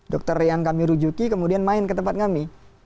dokter yang kami rujuki kemudian main ke tempat kami